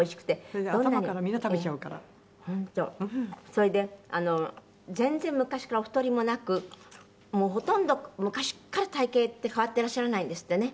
それで全然昔からお太りもなくもうほとんど昔から体形って変わってらっしゃらないんですってね。